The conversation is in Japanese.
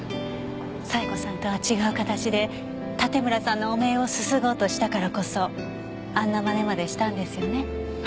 冴子さんとは違う形で盾村さんの汚名をすすごうとしたからこそあんなまねまでしたんですよね？